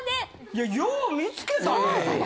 いやよう見つけたね。